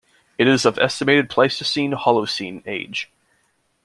It is of estimated Pleistocene-Holocene age.